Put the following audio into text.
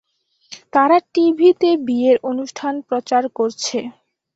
তারা টিভিতে বিয়ের অনুষ্ঠান প্রচার করছে?